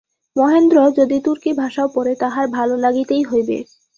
মহেন্দ্র যদি তুর্কি ভাষাও পড়ে, তাঁহার ভালো লাগিতেই হইবে।